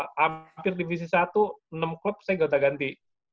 hampir divisi satu enam klub saya gak uta ganti